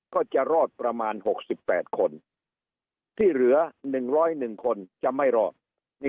ก็จะรอดประมาณ๖๘คนที่เหลือ๑๐๑คนจะไม่รอด